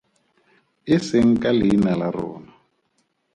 E seng ka leina la rona!